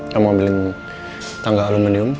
kamu abilin tangga aluminium